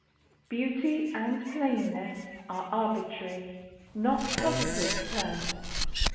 Beauty and plainness are arbitrary, not positive, terms.